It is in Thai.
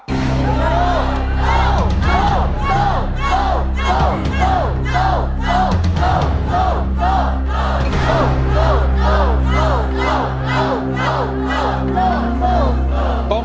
สู้สู้สู้สู้